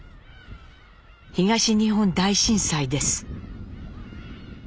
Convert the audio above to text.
東日本大震災です。